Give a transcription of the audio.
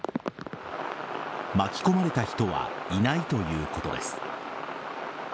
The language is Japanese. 巻き込まれた人はいないということです。